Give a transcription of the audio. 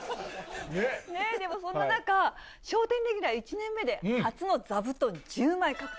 でも、そんな中、笑点レギュラー１年目で、初の座布団１０枚獲得。